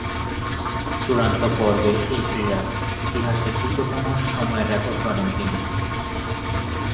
চূড়ান্ত পর্বে এ ক্রীড়ার ইতিহাসে দ্রুততম সময়ের রেকর্ড গড়েন তিনি।